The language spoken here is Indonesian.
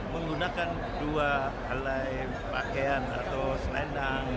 menggunakan dua helai pakaian atau selendang